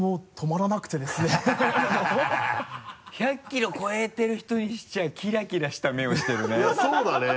１００キロ超えてる人にしちゃキラキラした目をしてるね。